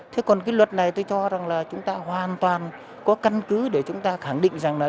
thế còn cái luật này tôi cho rằng là chúng ta hoàn toàn có căn cứ để chúng ta khẳng định rằng là